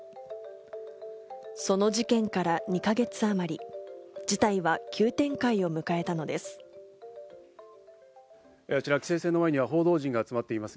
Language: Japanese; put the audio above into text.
その事件から２か月あまり、事態は急展開を迎えたのです。